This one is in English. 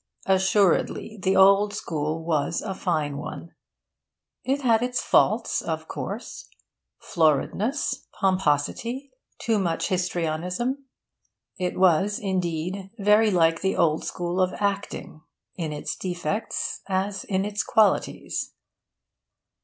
Assuredly, the old school was a fine one. It had its faults, of course floridness, pomposity, too much histrionism. It was, indeed, very like the old school of acting, in its defects as in its qualities.